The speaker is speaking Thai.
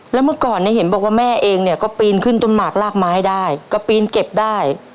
แล้วเมื่อก่อนเนี่ยเห็นบอกว่าแม่เองเนี่ยก็ปีนขึ้นต้นหมากลากไม้ได้ก็ปีนเก็บได้